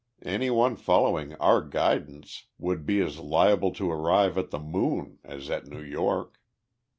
Any one following our guidance would be as liable to arrive at the moon as at New York.